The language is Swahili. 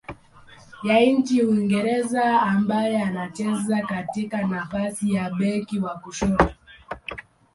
ya nchini Uingereza ambaye anacheza katika nafasi ya beki wa kushoto.